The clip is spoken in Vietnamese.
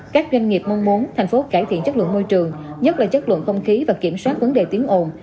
các doanh nghiệp mong muốn thành phố cải thiện chất lượng môi trường nhất là chất lượng không khí và kiểm soát vấn đề tiếng ồn